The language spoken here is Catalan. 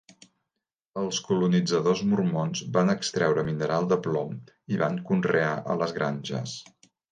Els colonitzadors mormons van extreure mineral de plom i van conrear a les granges.